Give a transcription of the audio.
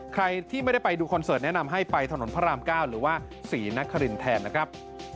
ใครที่ไม่ได้ไปดูคอนเสิร์ตแนะนำให้ไปถนนพระราม๙หรือว่าศรีนครินแทนนะครับ